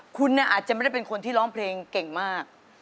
คุณเนี่ยอาจจะไม่ได้เป็นคนที่ร้องเพลงเก่งมาก